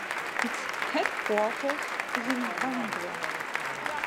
Its headquarters is in Bandra.